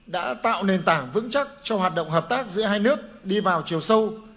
đã tạo nền tảng vững chắc cho hoạt động hợp tác giữa hai nước đi vào chiều sâu